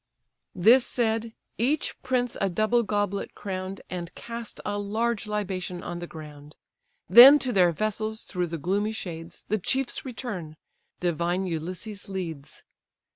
This said, each prince a double goblet crown'd, And cast a large libation on the ground; Then to their vessels, through the gloomy shades, The chiefs return; divine Ulysses leads.